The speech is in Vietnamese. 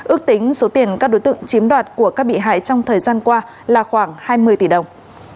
ước tính số tiền các đối tượng chiếm đoạt của các bị hại trong thời gian qua là khoảng hai mươi tỷ đồng